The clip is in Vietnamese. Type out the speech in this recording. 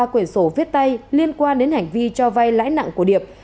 ba quyển sổ viết tay liên quan đến hành vi cho vay lãi nặng của điệp